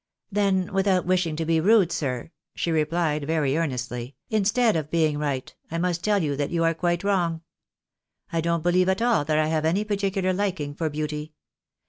" Then, without wishing to be rude, sir," she rephed, very earnestly, " instead of being right, I must teU you that you are quite wrong. I don't beheve at all that I have any particular liking for beauty.